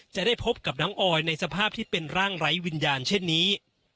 จะได้พบกับน้องออยในสภาพที่เป็นร่างไร้วิญญาณเช่นนี้